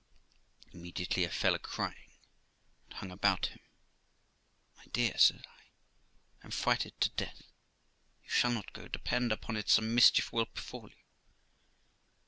Immediately I fell a crying, and hung about him. 'My dear', said I, 'I am frighted to death; you shall not go. Depend upon it some mischief will befall you.'